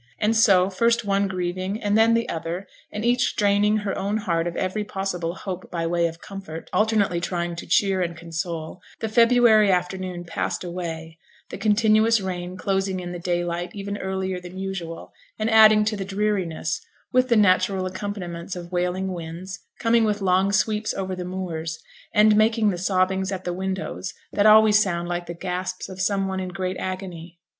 And so first one grieving, and then the other, and each draining her own heart of every possible hope by way of comfort, alternately trying to cheer and console the February afternoon passed away; the continuous rain closing in the daylight even earlier than usual, and adding to the dreariness, with the natural accompaniments of wailing winds, coming with long sweeps over the moors, and making the sobbings at the windows that always sound like the gasps of some one in great agony.